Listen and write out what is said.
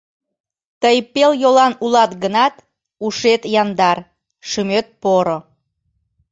Тый пел йолан улат гынат, ушет яндар, шӱмет поро.